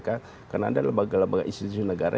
karena ada lembaga lembaga institusi negara